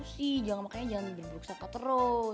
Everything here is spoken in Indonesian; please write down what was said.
musih jangan makannya jangan berduk saka terus